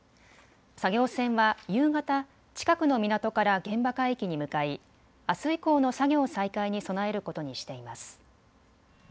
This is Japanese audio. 作業船は夕方、近くの港から現場海域に向かい、あす以降の作業再開に備えることにしています。